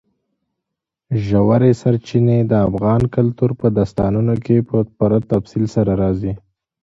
ژورې سرچینې د افغان کلتور په داستانونو کې په پوره تفصیل سره راځي.